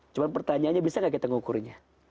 cuma pertanyaannya bisa tidak kita mengukurinya